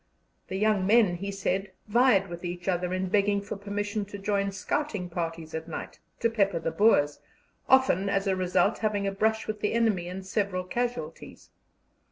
The young men, he said, vied with each other in begging for permission to join scouting parties at night, to pepper the Boers, often, as a result, having a brush with the enemy and several casualties.